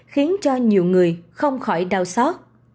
khiến cho nhiều người không khỏi đau xót